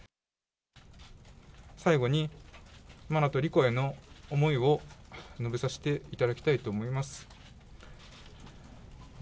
最後に、真菜と莉子への思いを述べさせていただきたいと思います。